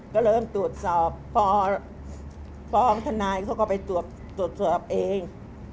ก็เริ่มตรวจสอบพอฟ้องทนายเขาก็ไปตรวจสอบเอง